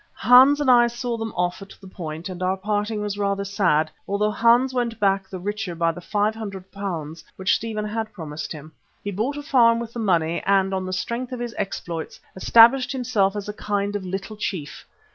Hans and I saw them off at the Point and our parting was rather sad, although Hans went back the richer by the £500 which Stephen had promised him. He bought a farm with the money, and on the strength of his exploits, established himself as a kind of little chief.